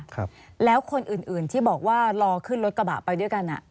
ค่ะแล้วคนอื่นที่บอกว่ารอขึ้นรถกระบะไปด้วยกัน